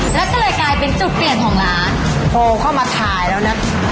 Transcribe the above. แล้วก็เลยกลายเป็นจุดเปลี่ยนของร้านโทรเข้ามาถ่ายแล้วนะ